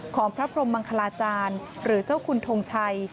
ของพระพรมมังคลาจารย์หรือเจ้าคุณทงชัย